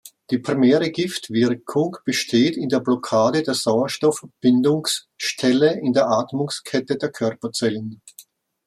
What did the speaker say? Die primäre Giftwirkung besteht in der Blockade der Sauerstoff-Bindungsstelle in der Atmungskette der Körperzellen.